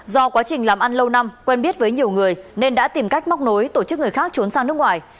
do quá trình làm ăn lâu năm quen biết với nhiều người nên đã tìm cách móc nối tổ chức người khác trốn sang nước ngoài